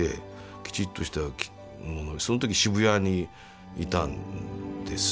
きちっとした着物そん時渋谷にいたんです